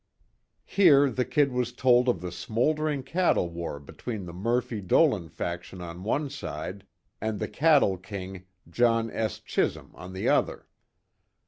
Here the "Kid" was told of the smouldering cattle war between the Murphy Dolan faction on one side, and the cattle king, John S. Chisum, on the other.